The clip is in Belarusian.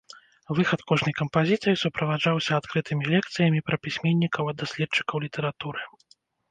Выхад кожнай кампазіцыі суправаджаўся адкрытымі лекцыямі пра пісьменнікаў ад даследчыкаў літаратуры.